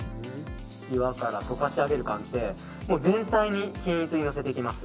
際からとかし上げる感じで全体に均一にのせていきます。